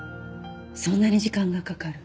そんなに時間がかかる。